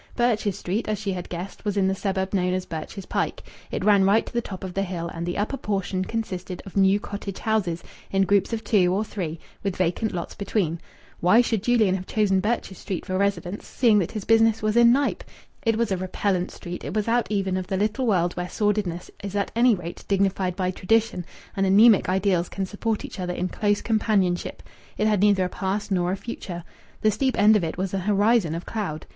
Birches Street, as she had guessed, was in the suburb known as Birches Pike. It ran right to the top of the hill, and the upper portion consisted of new cottage houses in groups of two or three, with vacant lots between. Why should Julian have chosen Birches Street for residence, seeing that his business was in Knype? It was a repellent street; it was out even of the little world where sordidness is at any rate dignified by tradition and anaemic ideals can support each other in close companionship. It had neither a past nor a future. The steep end of it was an horizon of cloud.